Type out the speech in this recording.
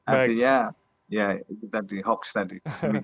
artinya ya itu tadi hoax tadi